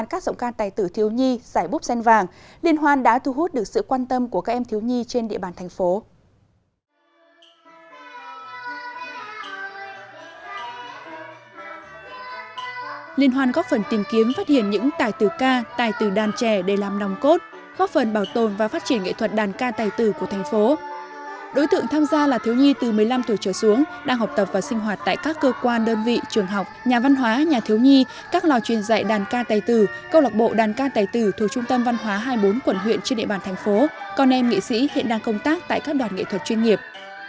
còn em nghệ sĩ hiện đang công tác tại các đoàn nghệ thuật chuyên nghiệp